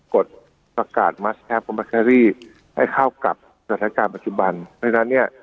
กฎประกาศให้เข้ากับสถานการณ์ปัจจุบันดังนั้นเนี้ย